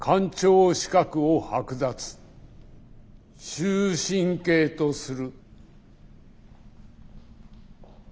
終身刑とする。